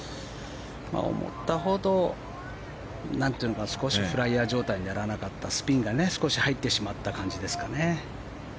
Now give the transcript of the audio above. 思ったほどフライヤー状態にならなかった、スピンが少し入ってしまった感じですかね。